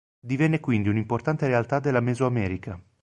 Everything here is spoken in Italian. Divenne quindi un'importante realtà della Mesoamerica.